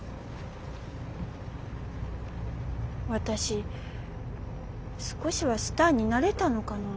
私少しはスターになれたのかな？